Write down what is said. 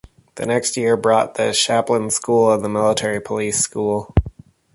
The next year brought the Chaplain School and the Military Police School.